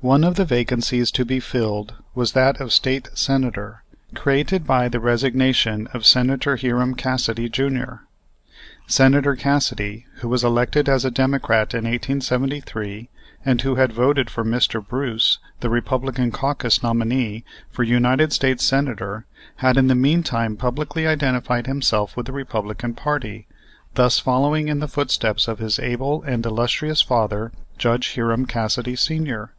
One of the vacancies to be filled was that of State Senator, created by the resignation of Senator Hiram Cassidy, Jr. Senator Cassidy, who was elected as a Democrat in 1873, and who had voted for Mr. Bruce, the Republican caucus nominee, for United States Senator, had in the mean time publicly identified himself with the Republican party, thus following in the footsteps of his able and illustrious father, Judge Hiram Cassidy, Sr.